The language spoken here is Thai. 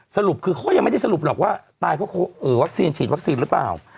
สรุปคือเขาก็ยังไม่ได้สรุปหรอกว่าตายเพราะวัคซีนฉีดวัคซีนหรือเปล่า